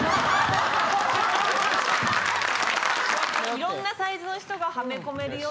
いろんなサイズの人がはめ込めるよ。